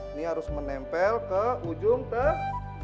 ini harus menempel ke ujung teh